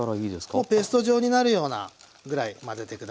もうペースト状になるようなぐらい混ぜて下さい。